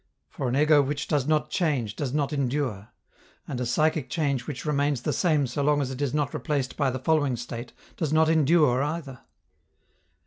For an ego which does not change does not endure, and a psychic state which remains the same so long as it is not replaced by the following state does not endure either.